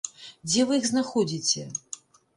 Дзе вы іх знаходзіце?